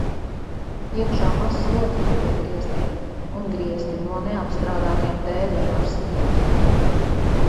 Iekšā mazs lodziņš pie griestiem, un griesti no neapstrādātiem dēļiem ar sijām.